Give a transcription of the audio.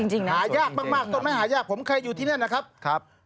จริงนะหายากมากต้นไม้หายากผมเคยอยู่ที่นั่นนะครับ